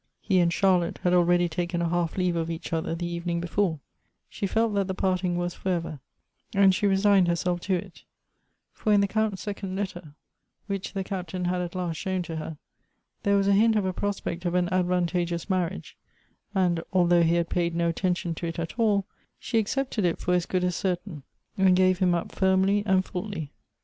He and Charlotte had already taken a half leave of each other the evening before — she felt that the parting was for ever, and she resigned herself to it ; for in the Count's second letter, which the Captain had at last shown to her, thei e was a hint of a prospect of an advantageous marriage, and, although he bad paid no at tention to it at all, she accepted it for as good as certain, and gave him up firmly and fully.